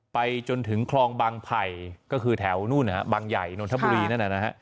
ไปจนถึงคลองบางไผ่ก็คือแถวนู่นนะฮะบางใหญ่นนทบุรีนั่นนะฮะ